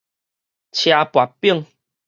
捙跋反